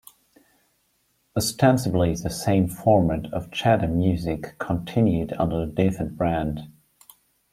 Ostensibly the same format of chat and music continued under a different brand.